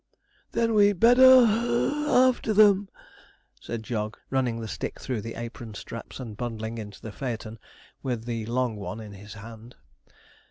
'Then we'd better (puff) after them,' said Jog, running the stick through the apron straps, and bundling into the phaeton with the long one in his hand.